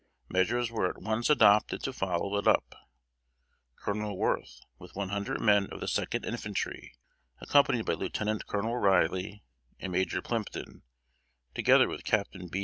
Measures were at once adopted to follow it up. Colonel Worth, with one hundred men of the 2d Infantry, accompanied by Lieutenant Colonel Riley and Major Plympton, together with Captain B.